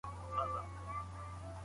په حقيقت کي د طلاق حق له هغه چا سره دی.